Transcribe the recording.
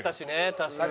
確かに。